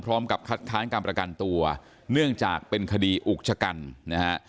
พร้อมกับคัดค้านการประกันตัวเนื่องจากเป็นคดีอุกชะกันนะฮะ